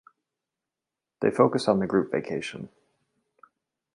They focused on the group on vacation.